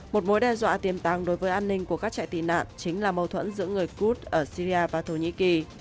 một mối đe dọa tiềm tàng đối với an ninh của các trại tị nạn chính là mâu thuẫn giữa người kud ở syria và thổ nhĩ kỳ